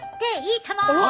いいとも！